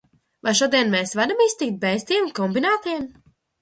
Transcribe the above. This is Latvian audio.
Vai šodien mēs varam iztikt bez tiem kombinātiem?